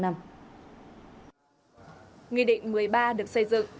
nghị định một mươi ba được xây dựng